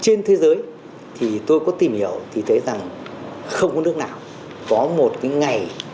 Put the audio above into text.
trên thế giới thì tôi có tìm hiểu thì thấy rằng không có nước nào có một cái ngày